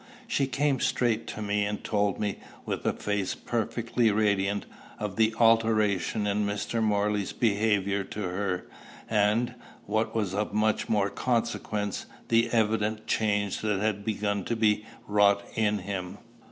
She came straight to me, and told me, with a face perfectly radiant, of the alteration in Mr. Morley's behavior to her, and, what was of much more consequence, the evident change that had begun to be wrought in him.